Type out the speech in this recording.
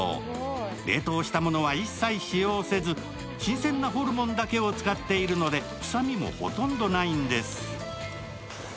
冷凍したものは一切使用せず新鮮なホルモンだけを使っているので、臭みもほとんどないんです。